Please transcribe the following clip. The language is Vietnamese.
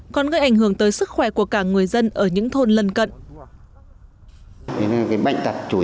còn gây ảnh hưởng tới sức khỏe của cả người dân ở những thôn lân cận